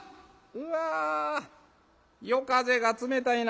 うわ夜風が冷たいな。